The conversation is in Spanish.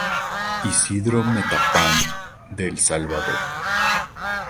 Isidro Metapán de El Salvador.